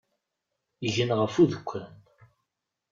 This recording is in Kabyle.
Gnen ɣef udekkan.